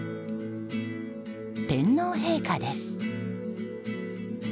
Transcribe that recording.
天皇陛下です。